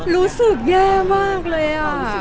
รู้สึกแย่มากเลย